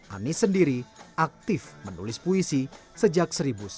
anies sendiri aktif menulis puisi sejak seribu sembilan ratus sembilan puluh